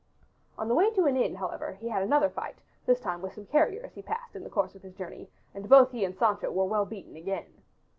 On the way to an inn, however, he had another fight, this time with some carriers he passed in the course of his journey, and both he and Sancho were well beaten again.